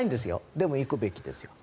でも行くべきですよ。